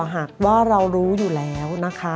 หากว่าเรารู้อยู่แล้วนะคะ